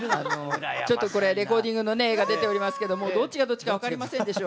ちょっとこれレコーディングの絵が出ておりますけどもどっちがどっちか分かりませんでしょ。